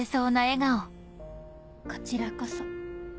こちらこそ。